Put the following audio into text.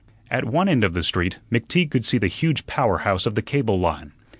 At one end of the street McTeague could see the huge power house of the cable line.